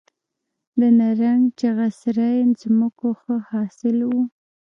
د نرنګ، چغه سرای ځمکو ښه حاصل و